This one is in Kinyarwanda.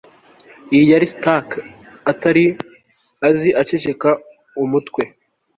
Iyi yari Stark atari azi Aceceka umutwe